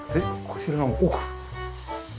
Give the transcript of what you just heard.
こちらの奥？